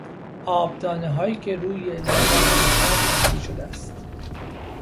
آبدانههایی که روی لیوان آب سرد تشکیل شده است